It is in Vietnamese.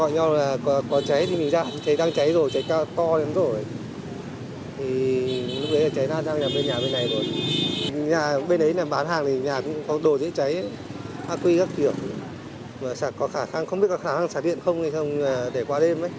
nhà cũng có đồ dễ cháy aqua không biết có khả năng xả điện không để qua đêm